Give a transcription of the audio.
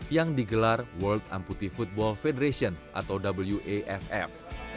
yang digelar world amputie football federation atau waff